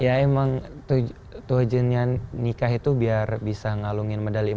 ya emang tujuannya nikah itu biar bisa ngalungin medali emas